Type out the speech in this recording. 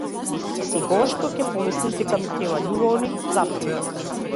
Секогаш кога ќе помислиш дека ми треба љубовник, запри.